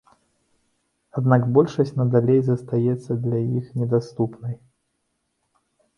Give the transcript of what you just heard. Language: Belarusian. Аднак большасць надалей застаецца для іх недаступнай.